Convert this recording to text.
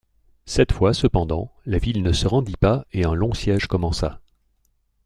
Cette fois cependant, la ville ne se rendit pas et un long siège commença.